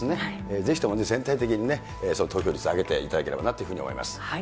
ぜひとも全体的に投票率を上げていただければなと思います。